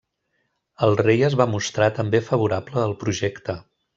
El rei es va mostrar també favorable al projecte.